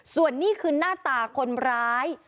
ส่วนนี้คือหน้าตาคนร้าย